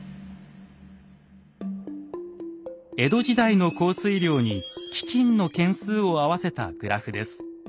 江戸時代の降水量に飢きんの件数を合わせたグラフです。